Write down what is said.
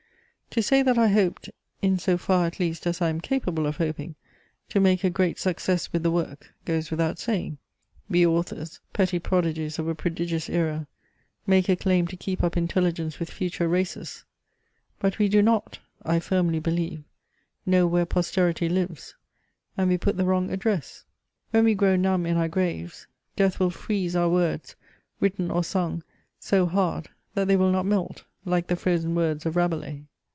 To say that I hoped, in so far at least as I am capable of hoping, to make a great success with the work, goes without saying: we authors, petty prodigies of a prodigious era, make a claim to keep up intelligence with future races; but we do not, I firmly believe, know where posterity lives, and we put the wrong address. When we grow numb in our graves, death will freeze our words, written or sung, so hard that they will not melt like the "frozen words" of Rabelais.